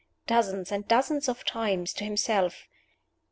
dozens and dozens of times to himself.